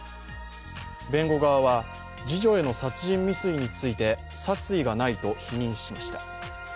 弁護側は、次女への殺人未遂について殺意がないと否認しました。